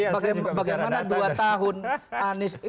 bagaimana dua tahun anies